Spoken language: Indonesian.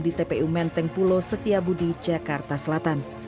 di tpu menteng pulo setiabudi jakarta selatan